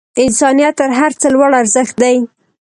انسانیت تر هر څه لوړ ارزښت دی.